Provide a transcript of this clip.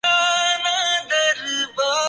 تیسری بات یہ کہ اداروں کو اب مضبوط ہو نا چاہیے۔